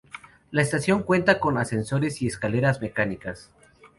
La estación cuenta con ascensores y escaleras mecánicas.